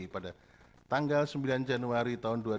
pada tanggal sembilan januari dua ribu dua puluh